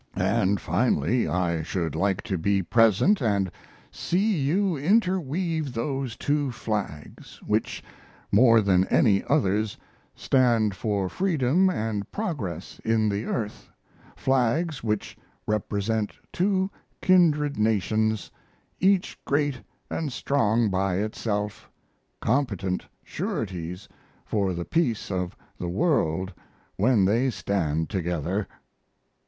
And finally I should like to be present and see you interweave those two flags which, more than any others, stand for freedom and progress in the earth flags which represent two kindred nations, each great and strong by itself, competent sureties for the peace of the world when they stand together.